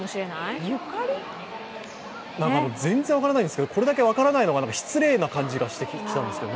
全然分からないんですけどこれだけ分からないのが失礼な感じがしてきたんですけど。